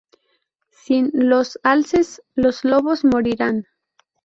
Sin los alces, los lobos morirían.